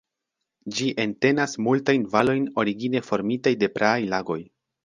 Ĝi entenas multajn valojn origine formitaj de praaj lagoj.